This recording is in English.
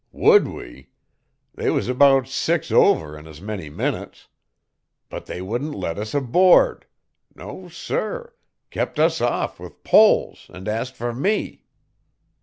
Would we? They was about six over in as many minutes. But they wouldn't let us aboard. No, sir; kept us off with poles an' asked for me.